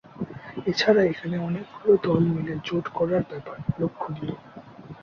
এছাড়া এখানে অনেকগুলো দল মিলে জোট করার ব্যাপার লক্ষ্যণীয়।